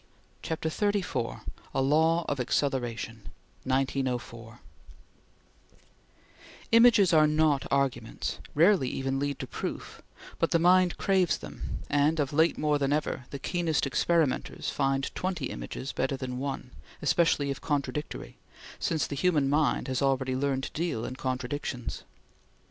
CHAPTER XXXIV A LAW OF ACCELERATION (1904) IMAGES are not arguments, rarely even lead to proof, but the mind craves them, and, of late more than ever, the keenest experimenters find twenty images better than one, especially if contradictory; since the human mind has already learned to deal in contradictions.